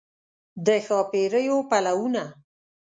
د ښاپیریو پلونه